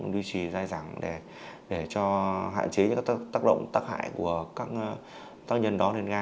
duy trì dài dẳng để hạn chế những tác động tác hại của các tác nhân đó lên gan